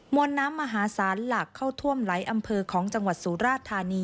วนน้ำมหาศาลหลากเข้าท่วมหลายอำเภอของจังหวัดสุราธานี